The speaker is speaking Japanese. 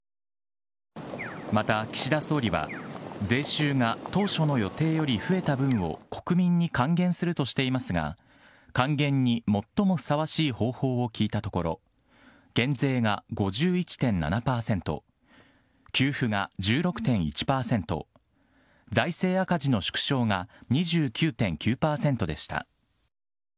また岸田総理は、税収が当初の予定より増えた分を国民に還元するとしていますが、還元に最もふさわしい方法を聞いたところ、減税が５１．７％、給付が１６．１％、財政赤字の縮小が２９．９％でした。